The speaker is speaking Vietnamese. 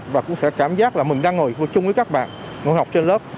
và cũng sẽ cảm giác là mình đang ngồi chung với các bạn ngồi học trên lớp